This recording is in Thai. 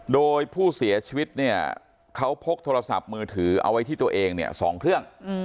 โดยผู้เสียชีวิตเนี่ยเขาพกโทรศัพท์มือถือเอาไว้ที่ตัวเองเนี่ย๒เครื่อง